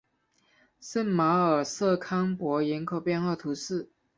圣马尔瑟康珀人口变化图示